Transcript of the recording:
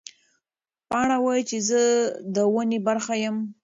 پاڼه وایي چې زه د ونې برخه یم.